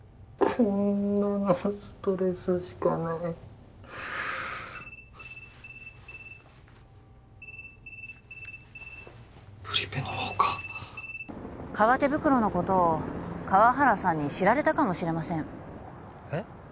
こんなのストレスしかないプリペの方か革手袋のことを河原さんに知られたかもしれませんえっ！？